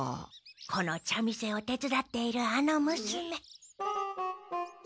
この茶店を手つだっているあのむすめ。